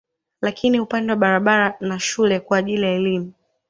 Lakini upande wa barabara na shule kwa ajili ya elimu